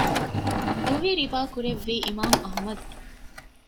ދުވި ރިވާކުރެއްވީ އިމާމު އަޙްމަދު